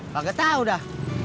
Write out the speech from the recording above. gak ketah udah